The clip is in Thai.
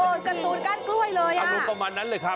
เออการ์ตูนกั้นกล้วยเลยอ่ะอันนี้ประมาณนั้นเลยครับ